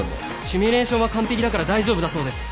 シミュレーションは完璧だから大丈夫だそうです。